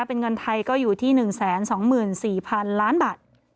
เป็นเงินไทยก็อยู่ที่๑๒๔๐๐๐ล้านบาท